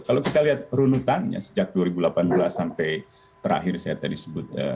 kalau kita lihat runutannya sejak dua ribu delapan belas sampai terakhir saya tadi sebut